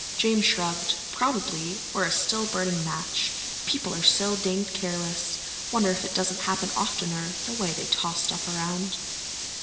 James shrugged. "Probably. Or a still burning match. People are so danged careless. Wonder it doesn't happen oftener, the way they toss stuff around."